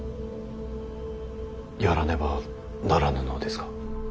やらねばならぬのですか。